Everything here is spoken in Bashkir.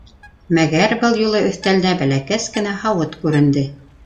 Мәгәр был юлы өҫтәлдә бәләкәс кенә һауыт күренде.